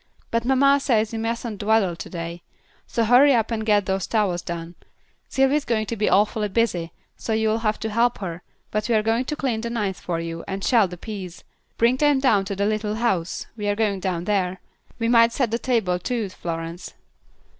But mamma says you mustn't dawdle to day. So hurry up and get those towels done. Sylvy is going to be awfully busy, so you'll have to help her, but we're going to clean the knives for you, and shell the peas. Bring them down to the little house; we're going down there. We might set the table, too, Florence."